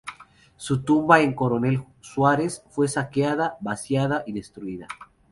Su tumba en Coronel Suárez fue saqueada, vaciada y destruida.